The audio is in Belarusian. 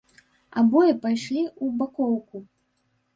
Абое пайшлі ў бакоўку.